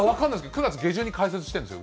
９月下旬に開設しているんですよ、